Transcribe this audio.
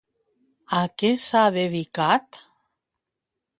A què s'ha dedicat?